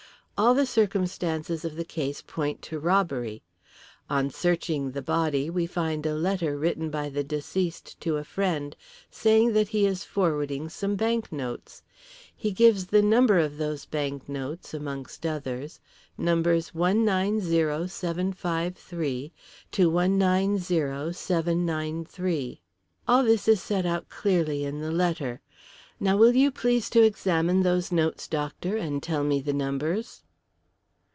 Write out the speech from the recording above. All the circumstances of the case point to robbery. On searching the body we find a letter written by the deceased to a friend saying that he is forwarding some banknotes. He gives the number of those banknotes amongst others numbers 190753 to 190793. All this is set out clearly in the letter. Now, will you please to examine those notes, doctor, and tell me the numbers?"